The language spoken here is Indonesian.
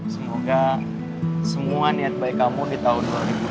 semoga semua niat baik kamu di tahun dua ribu dua puluh